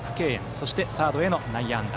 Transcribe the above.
そしてサードへの内野安打。